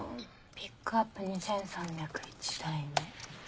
ピックアップ２３０１台目。